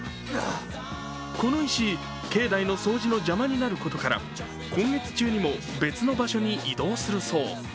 この石、境内の掃除の邪魔になることから今月中にも別の場所に移動するそう。